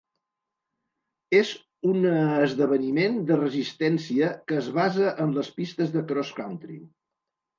És una esdeveniment de resistència que es basa en les pistes de cross-country.